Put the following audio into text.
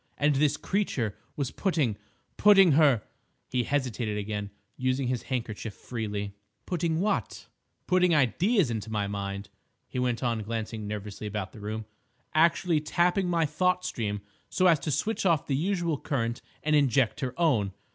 And this creature was putting—putting her—" He hesitated again, using his handkerchief freely. "Putting what?" "—putting ideas into my mind," he went on glancing nervously about the room. "Actually tapping my thought stream so as to switch off the usual current and inject her own.